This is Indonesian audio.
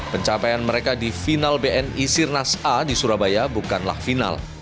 pencapaian mereka di final bni sirnas a di surabaya bukanlah final